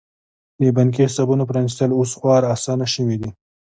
د بانکي حسابونو پرانیستل اوس خورا اسانه شوي دي.